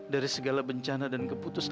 dari segala bencana dan keputus asaan